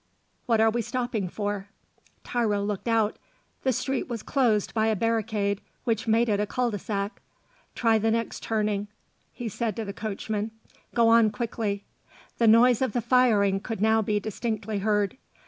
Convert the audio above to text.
What are we stopping for?" Tiro looked out. The street was closed by a barricade which made it a cul de sac. "Try the next turning," he said to the coachman; "go on quickly." The noise of the firing could now be distinctly heard.